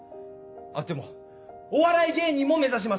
あっでもお笑い芸人も目指します。